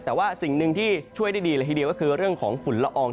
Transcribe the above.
แต่ว่าสิ่งหนึ่งที่ช่วยได้ดีเลยทีเดียวก็คือเรื่องของฝุ่นละออง